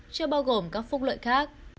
chưa bao gồm các phúc lợi khác